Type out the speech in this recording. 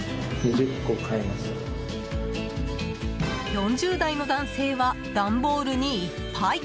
４０代の男性は段ボールにいっぱい。